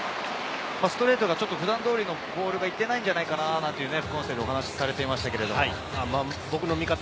ストレートが普段通りのボールがいっていないんじゃないかなというふうに工藤さんもお話されていましたが。